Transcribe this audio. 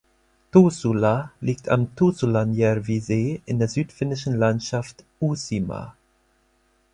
Tuusula liegt am Tuusulanjärvi-See in der südfinnischen Landschaft Uusimaa.